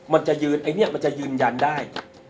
มันจะยืนยันได้